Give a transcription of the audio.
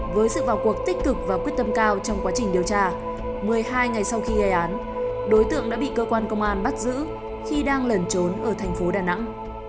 với sự vào cuộc tích cực và quyết tâm cao trong quá trình điều tra một mươi hai ngày sau khi gây án đối tượng đã bị cơ quan công an bắt giữ khi đang lẩn trốn ở thành phố đà nẵng